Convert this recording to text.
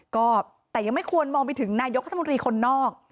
ก็แต่ยังไม่ควรมองไปถึงนายกรัฐมนตรีคนนอก